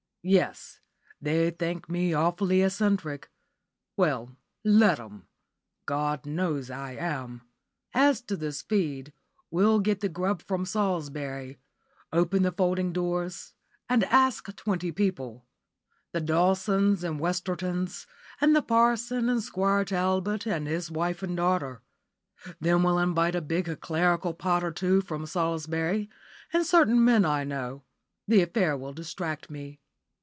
Yes, they think me awfully eccentric well, let 'em; God knows I am. As to this feed, we'll get the grub from Salisbury, open the folding doors, and ask twenty people. The Dawsons and the Westertons, and the parson and Squire Talbot and his wife and daughter. Then we'll invite a big clerical pot or two from Salisbury, and certain men I know. The affair will distract me.